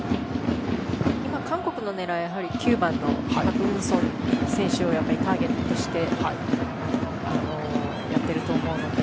韓国の狙いは９番のパク・ウンソン選手をターゲットとしてやっていると思うので。